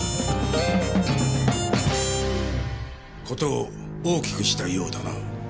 事を大きくしたいようだな。